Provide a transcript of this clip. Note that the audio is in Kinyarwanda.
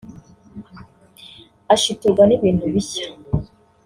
Ashiturwa n’ibintu bishya